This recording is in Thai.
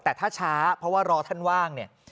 แต่ถ้าช้าเพราะว่ารอท่านว่างเนี่ย